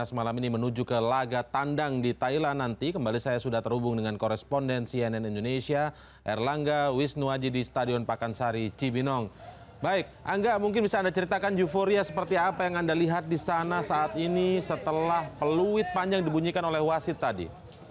seperti apa yang anda lihat di sana saat ini setelah peluit panjang dibunyikan oleh wasir tadi